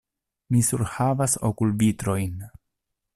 Mi surhavas okulvitrojn.